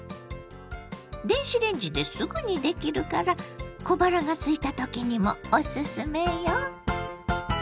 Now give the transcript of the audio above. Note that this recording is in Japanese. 電子レンジですぐにできるから小腹がすいた時にもおすすめよ。